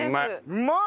うまい！